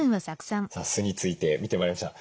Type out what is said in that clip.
さあ酢について見てまいりました。